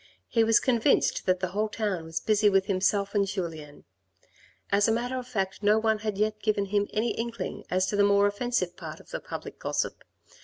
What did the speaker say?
He was convinced that the whole town was busy with himself and Julien. As a matter of fact no one had yet given him any inkling as to the more offensive part of the public gossip.